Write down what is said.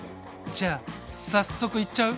じゃ早速いっちゃう？